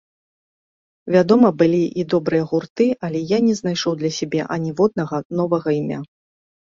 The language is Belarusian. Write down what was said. Вядома, былі і добрыя гурты, але я не знайшоў для сябе аніводнага новага імя.